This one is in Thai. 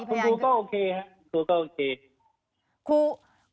คุณครูก็โอเคครับครูก็โอเค